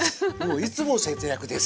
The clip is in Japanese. いつも節約です。